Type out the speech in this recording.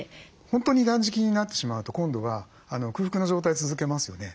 本当に断食になってしまうと今度は空腹な状態続けますよね。